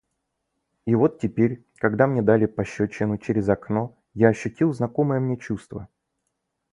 И вот теперь, когда мне дали пощёчину через окно, я ощутил знакомое мне чувство.